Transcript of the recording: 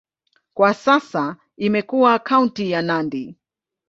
Kwa sasa imekuwa kaunti ya Nandi.